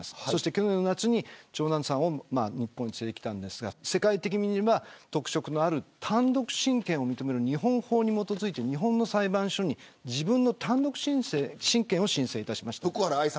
去年の夏に長男を日本に連れてきたんですが世界的に見れば特色のある単独親権を認める日本法に基づいて日本の裁判所に単独親権を申請しました。